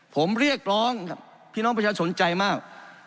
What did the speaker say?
ผมเรียกร้องพี่น้องประชาชนสนใจมาก